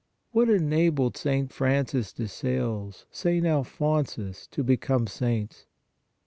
What enabled Francis de Sales, St. Alphonsus to become saints?